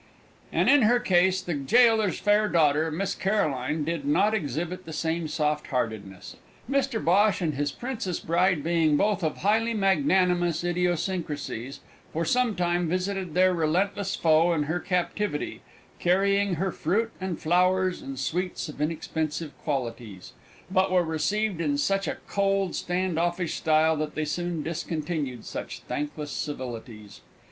And in her case the gaoler's fair daughter, Miss Caroline, did not exhibit the same softheartedness. Mr Bhosh and his Princess bride, being both of highly magnanimous idiosyncrasies, for some time visited their relentless foe in her captivity, carrying her fruit and flowers and sweets of inexpensive qualities, but were received in such a cold, standoffish style that they soon discontinued such thankless civilities.